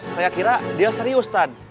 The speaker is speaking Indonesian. saya kira dia serius tan